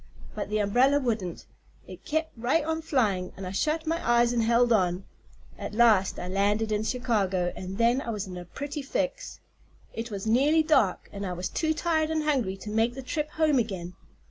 But the umbrella wouldn't. It kept right on flying and I shut my eyes and held on. At last I landed in Chicago, and then I was in a pretty fix. It was nearly dark and I was too tired and hungry to make the trip home again.